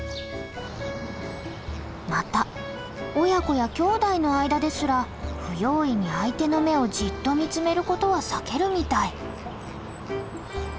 また親子や兄弟の間ですら不用意に相手の目をじっと見つめることは避けるみたい。